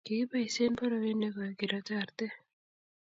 kikiboisien borowe ne goi kerate arte